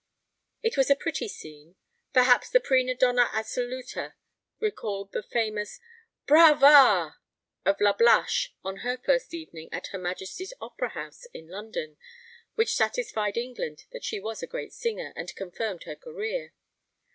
It was a pretty scene. Perhaps the prima donna assoluta recalled the famous brava a a a of Lablache on her first evening at her Majesty's Opera house in London, which satisfied England that she was a great singer, and confirmed her career.